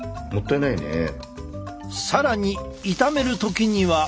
更に炒める時には。